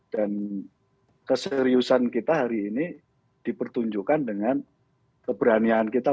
dan keseriusan kita hari ini dipertunjukkan dengan keberanian kita